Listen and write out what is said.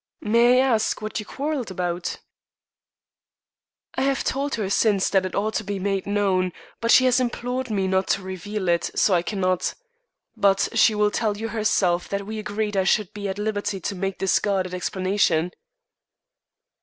"May I ask what you quarrelled about?" "I have told her since that it ought to be made known, but she has implored me not to reveal it, so I cannot. But she will tell you herself that we agreed I should be at liberty to make this guarded explanation."